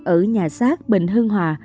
ở nhà xác bình hưng hòa